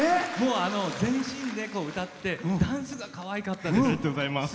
全身で歌ってダンスがかわいかったです。